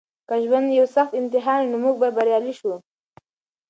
که ژوند یو سخت امتحان وي نو موږ به بریالي شو.